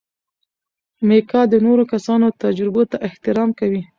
میکا د نورو کسانو تجربو ته احترام کوي.